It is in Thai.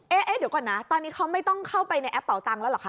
เอ๊ะเดี๋ยวก่อนนะตอนนี้เขาไม่ต้องเข้าไปในแอปเป่าตังค์แล้วเหรอคะ